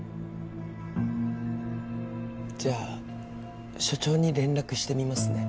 じゃあ署長に連絡してみますね。